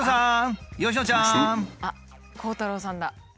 あっ鋼太郎さんだ。